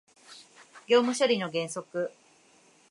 業務処理の原則